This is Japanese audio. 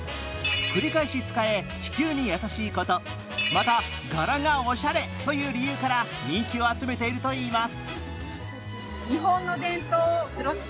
繰り返し使え、地球に優しいこと、また柄がおしゃれという理由から人気を集めているといいます。